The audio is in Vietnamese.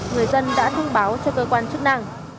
người dân đã thông báo cho cơ quan chức năng